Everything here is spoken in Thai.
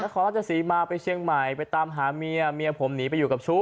คอรัชศรีมาไปเชียงใหม่ไปตามหาเมียเมียผมหนีไปอยู่กับชู้